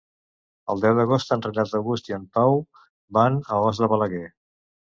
El deu d'agost en Renat August i en Pau van a Os de Balaguer.